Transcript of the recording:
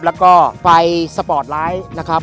แล้วก็ไฟสปอร์ตไลท์นะครับ